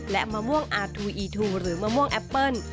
และมะม่วงอาทูอีทูหรือมะม่วงแอปเปิ้ล